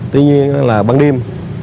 tuy nhiên là ban đêm